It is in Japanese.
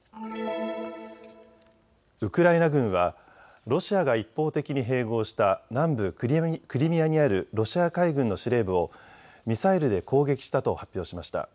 ウクライナ軍はロシアが一方的に併合した南部クリミアにあるロシア海軍の司令部をミサイルで攻撃したと発表しました。